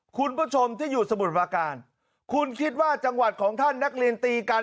คุณผู้ชมที่อยู่สมุทรปราการคุณคิดว่าจังหวัดของท่านนักเรียนตีกัน